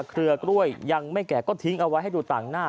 เครือกล้วยยังไม่แก่ก็ทิ้งเอาไว้ให้ดูต่างหน้า